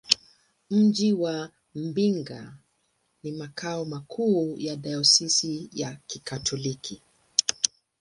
Mji wa Mbinga ni makao makuu ya dayosisi ya Kikatoliki.